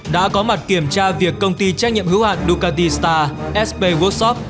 đã có mặt kiểm tra việc công ty trách nhiệm hữu hạn ducati star sp workshop